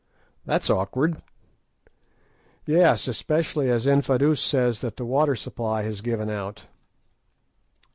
"That's awkward." "Yes; especially as Infadoos says that the water supply has given out."